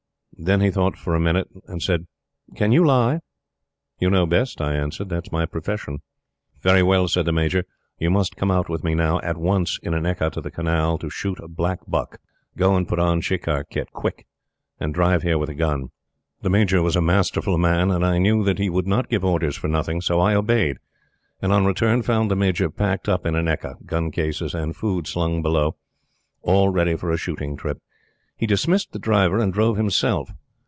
Then he thought for a minute, and said: "Can you lie?" "You know best," I answered. "It's my profession." "Very well," said the Major; "you must come out with me now at once in an ekka to the Canal to shoot black buck. Go and put on shikar kit quick and drive here with a gun." The Major was a masterful man; and I knew that he would not give orders for nothing. So I obeyed, and on return found the Major packed up in an ekka gun cases and food slung below all ready for a shooting trip. He dismissed the driver and drove himself.